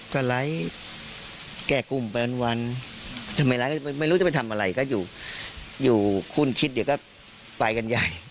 ก็ไร้แก้กลุ่มไปวันทำไมไลค์ไม่รู้จะไปทำอะไรก็อยู่อยู่คุณคิดเดี๋ยวก็ไปกันใหญ่